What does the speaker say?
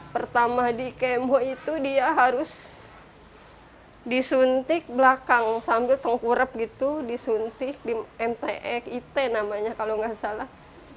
pertama dikemo itu dia harus disuntik belakang sambil tengkurep gitu disuntik di mte it namanya kalau gak salah